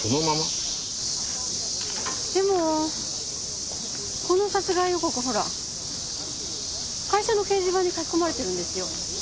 でもこの殺害予告ほら会社の掲示板に書き込まれてるんですよ。